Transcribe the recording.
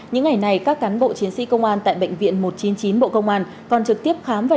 những ngày này các cán bộ chiến sĩ công an tại bệnh viện một trăm chín mươi chín bộ công an còn trực tiếp khám và